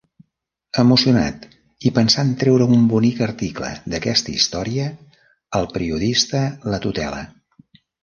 Emocionat, i pensant treure un bonic article d'aquesta història, el periodista la tutela.